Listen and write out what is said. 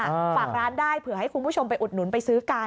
ฝากร้านได้เผื่อให้คุณผู้ชมไปอุดหนุนไปซื้อกัน